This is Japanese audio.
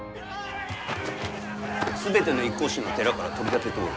全ての一向宗の寺から取り立てておる。